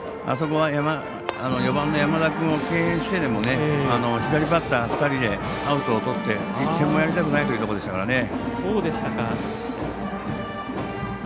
あそこは４番の山田君を敬遠してでも左バッター２人でアウトをとって１点もやりたくないというところでしたから。